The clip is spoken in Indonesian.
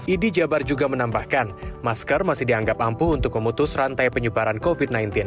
idhijabar juga menambahkan masker masih dianggap ampuh untuk memutus rantai penyubaran covid sembilan belas